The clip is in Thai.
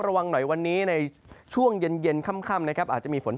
ระวังหน่อยวันนี้ในช่วงเย็นค่ำนะครับอาจจะมีฝน